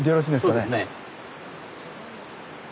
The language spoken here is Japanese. はいそうですね。